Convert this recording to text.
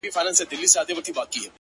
• دغه سُر خالقه دغه تال کي کړې بدل ـ